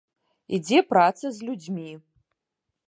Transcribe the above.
Ідзе праца з людзьмі.